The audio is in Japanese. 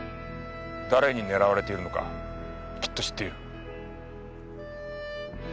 誰に狙われているのかきっと知っている。